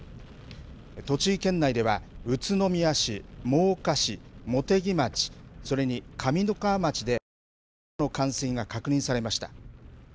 栃木県内では宇都宮市、真岡市、茂木町、それに上三川町で道路の冠水が確認されました。